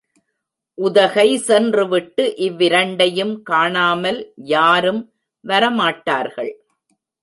உதகை சென்றுவிட்டு இவ்விரண்டையும் காணாமல் யாரும் வரமாட்டார்கள்.